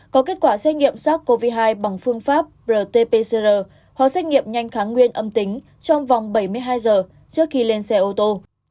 có kết quả xét nghiệm sars cov hai bằng phương pháp rt pcr hoặc xét nghiệm nhanh kháng nguyên âm tính trong vòng bảy mươi hai giờ trước khi lên xe ô tô